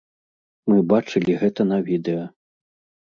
Мы бачылі гэта на відэа.